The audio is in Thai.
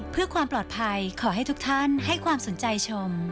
เพื่อความปลอดภัยขอให้ทุกท่านให้ความสนใจชม